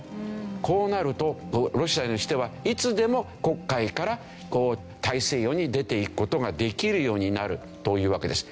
こうなるとロシアにしてはいつでも黒海から大西洋に出ていく事ができるようになるというわけです。